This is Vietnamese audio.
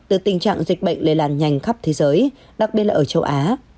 từ tình trạng dịch bệnh lây lan nhanh khắp thế giới đặc biệt là ở châu á